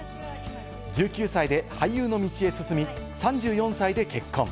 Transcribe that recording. １９歳で俳優の道へ進み、３４歳で結婚。